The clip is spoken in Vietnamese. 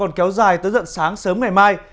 nó dài tới dận sáng sớm ngày mai